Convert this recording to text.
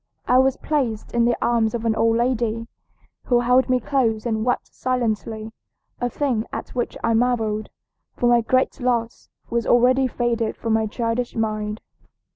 I was placed in the arms of an old lady, who held me close and wept silently, a thing at which I marveled, for my great loss was already faded from my childish mind.